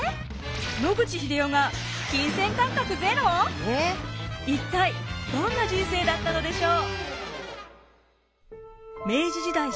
野口英世が一体どんな人生だったのでしょう？